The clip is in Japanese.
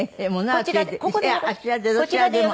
あちらでどちらでも。